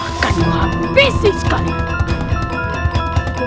akan muhabisi sekali